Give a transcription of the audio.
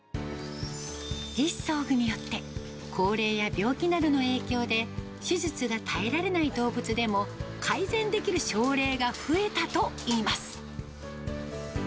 義肢装具によって、高齢や病気などの影響で手術が耐えられない動物でも、改善できる症例が増えたといいます。